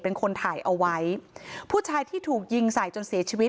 เป็นคนถ่ายเอาไว้ผู้ชายที่ถูกยิงใส่จนเสียชีวิต